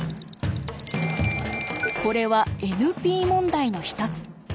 これはＮＰ問題の一つ。